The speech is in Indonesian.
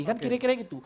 kan kira kira gitu